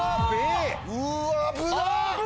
うわ危なっ！